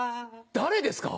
誰ですか？